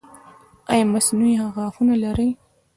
ایا مصنوعي غاښونه لرئ؟